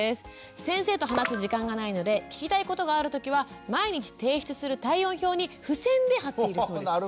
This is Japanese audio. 先生と話す時間がないので聞きたいことがある時は毎日提出する体温表に付箋で貼っているそうです。